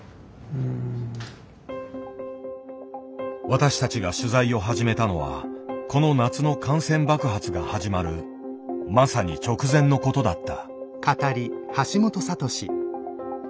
私たちが取材を始めたのはこの夏の感染爆発が始まるまさに直前のことだった。